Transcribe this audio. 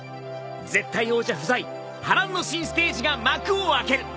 絶対王者不在波乱の新ステージが幕を開ける。